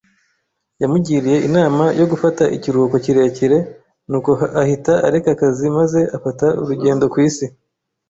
Yamugiriye inama yo gufata ikiruhuko kirekire, nuko ahita areka akazi maze afata urugendo ku isi.